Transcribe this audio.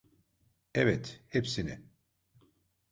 Evet, hepsini.